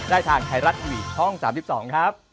ทางไทยรัฐทีวีช่อง๓๒ครับ